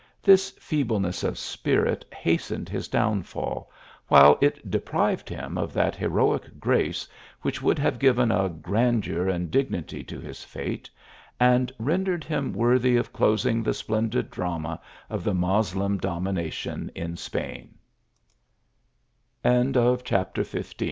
This feebleness of spirit hasteneJ his downfall, while it deprived him of that heroic grace which would have given a grandeur and dignity to his fate, and rendered him worthy of closing the splendid drama of the Moslem domination in